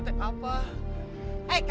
apa salah saya